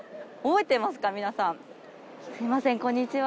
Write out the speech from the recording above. すいませんこんにちは。